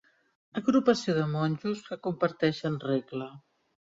Agrupació de monjos que comparteixen regla.